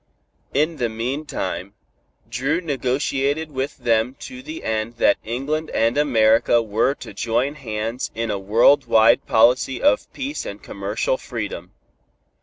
In the meantime, Dru negotiated with them to the end that England and America were to join hands in a world wide policy of peace and commercial freedom.